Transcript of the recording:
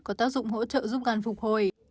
có tác dụng hỗ trợ giúp gan phục hồi